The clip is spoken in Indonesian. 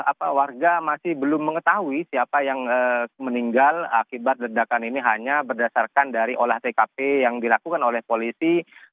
dan sampai sejauh ini warga masih belum mengetahui siapa yang meninggal akibat ledakan ini hanya berdasarkan oleh olah tkp yang dilakukan oleh polisi